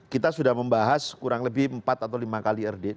kita sudah membahas kurang lebih empat atau lima kali rd